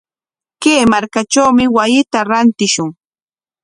Kay markatrawmi wasita rantishun.